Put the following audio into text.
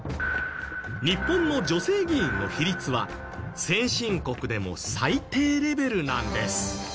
日本の女性議員の比率は先進国でも最低レベルなんです。